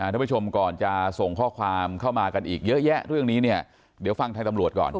ทุกผู้ชมก่อนจะส่งข้อความเข้ามากันอีกเยอะแยะเรื่องนี้เนี่ยเดี๋ยวฟังทางตำรวจก่อน